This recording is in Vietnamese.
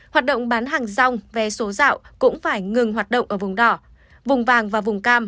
hoạt động bán hàng rong vé số dạo cũng phải ngừng hoạt động ở vùng đỏ vùng vàng và vùng cam